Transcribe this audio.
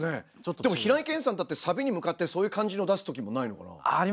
でも平井堅さんだってサビに向かってそういう感じのを出すときもないのかな？ありますね。